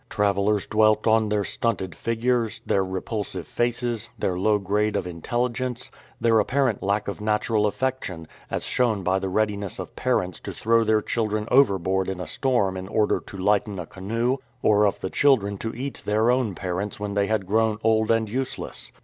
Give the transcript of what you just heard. Travellers dwelt on their stunted figures, their repulsive faces, their low grade of intelligence, their apparent lack of natural affection, as shown by the readiness of parents to throw their children overboard in a storm in order to lighten a canoe, or of children to eat their own parents when they had grown old and useless.